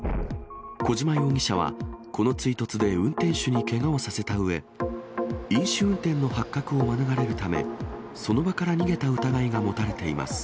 小島容疑者は、この追突で運転手にけがをさせたうえ、飲酒運転の発覚を免れるため、その場から逃げた疑いが持たれています。